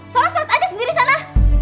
sholat sholat aja sendiri sana